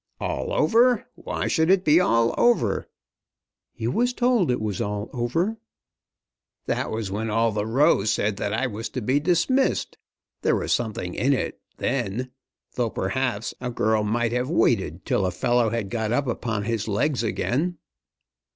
"All over! Why should it be all over?" "You was told it was all over." "That was when all the Row said that I was to be dismissed. There was something in it, then; though, perhaps, a girl might have waited till a fellow had got up upon his legs again."